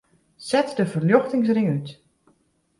Set de ferljochtingsring út.